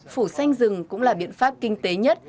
phủ xanh rừng cũng là biện pháp kinh tế nhất